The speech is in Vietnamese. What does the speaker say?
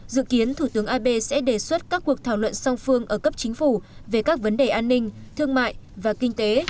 dự kiến thủ tướng abe sẽ đề xuất các cuộc thảo luận song phương ở cấp chính phủ về các vấn đề an ninh thương mại và kinh tế